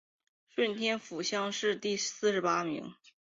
顺天府乡试第四十八名。